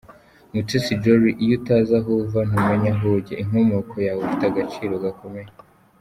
Mutesi Jolly: Iyo utazi aho uva ntumenya aho ujya, inkomoko yawe ifite agaciro gakomeye.